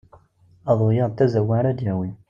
Aḍu-ya d tazawwa ara d-yawi.